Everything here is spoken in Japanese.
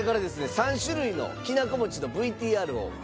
３種類のきなこ餅のＶＴＲをご覧頂きます。